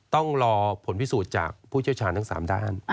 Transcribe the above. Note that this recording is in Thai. ต้องรอผลพิสูจน์จากผู้เจ้าชาญทั้งสามด้าน